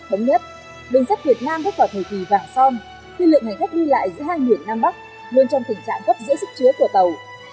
thống nhất đường sắt việt nam bước vào thời kỳ vàng son khi lượng hành khách đi lại giữa hai miền nam bắc luôn trong tình trạng gấp giữa sức chứa của tàu